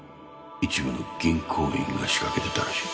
一部の銀行員が仕掛けてたらしい